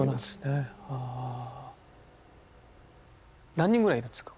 何人ぐらいいるんですか？